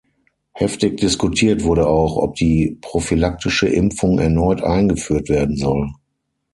Heftig diskutiert wurde auch, ob die prophylaktische Impfung erneut eingeführt werden soll.